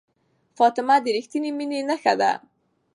فاطمه د ریښتینې مینې نښه ده.